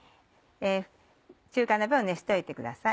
中華鍋を熱しといてください。